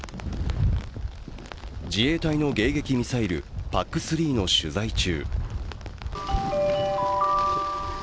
自衛隊の迎撃ミサイルＰＡＣ３の取材中